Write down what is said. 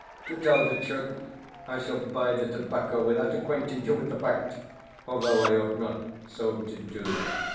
To tell the truth, I shall buy the tobacco without acquainting you with the fact, although I ought not so to do.